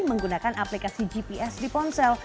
menggunakan aplikasi gps di ponsel